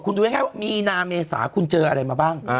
คุณดูง่ายว่ามีนาเมษาคุณเจออะไรมาบ้าง